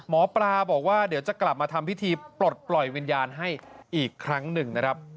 หมอปลาบอกว่าเดี๋ยวจะกลับมาทำพิธีปลดปล่อยวิญญาณให้อีกครั้งหนึ่งนะครับ